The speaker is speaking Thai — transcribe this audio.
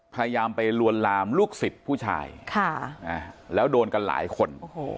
พยายามไปลวนลามลูกศิษย์ผู้ชายแล้วโดนกันหลายคน